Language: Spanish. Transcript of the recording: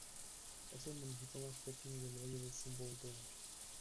Es el municipio más pequeño del Valle del Sibundoy.